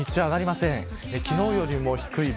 日中上がりません。